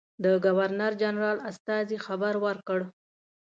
د ګورنرجنرال استازي خبر ورکړ.